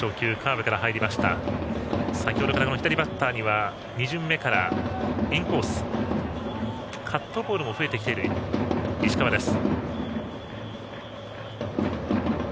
先ほどから左バッターには２巡目からインコースのカットボールも増えてきている石川です。